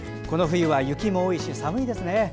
この冬は雪も多いし寒いですね。